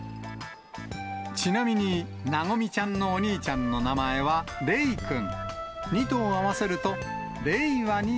ちなみに、和ちゃんのお兄ちゃんの名前はレイくん。